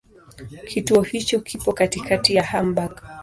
Kituo hicho kipo katikati ya Hamburg.